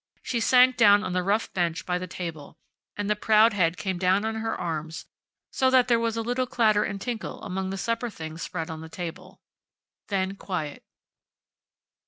She sank down on the rough bench by the table, and the proud head came down on her arms so that there was a little clatter and tinkle among the supper things spread on the table. Then quiet.